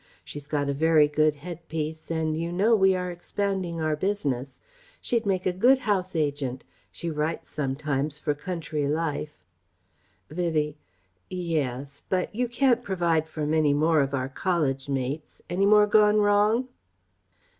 She's got a very good head piece and you know we are expanding our business ... She'd make a good House Agent ... She writes sometimes for Country Life..." Vivie: "Ye es.... But you can't provide for many more of our college mates. Any more gone wrong?"